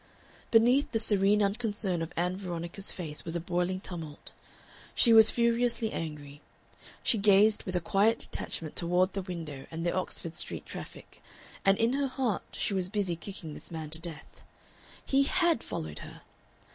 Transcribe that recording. Beneath the serene unconcern of Ann Veronica's face was a boiling tumult. She was furiously angry. She gazed with a quiet detachment toward the window and the Oxford Street traffic, and in her heart she was busy kicking this man to death. He HAD followed her!